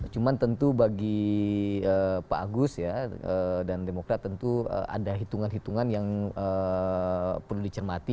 cuma tentu bagi pak agus ya dan demokrat tentu ada hitungan hitungan yang perlu dicermati